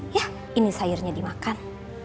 yah ini sayurnya dimakan